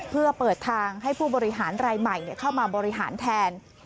เพื่อเปิดทางให้ผู้บริหารรายใหม่เข้ามาบริหารแทน